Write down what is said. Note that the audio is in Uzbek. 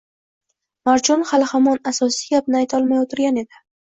Marjon hali-hamon asosiy gapni aytolmay o‘tirgan edi